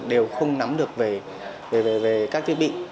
đều không nắm được về các thiết bị